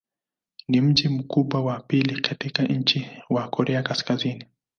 Ni mji mkubwa wa pili katika nchi wa Korea Kaskazini.